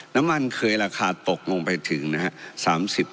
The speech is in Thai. น้ำมันเคยราคาตกลงไปถึงนะครับ